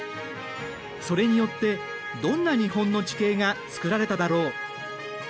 それによってどんな日本の地形が作られただろう。